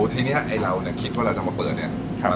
ทีนี้ไอ้เราคิดว่าเราจะมาเปิดเนี่ย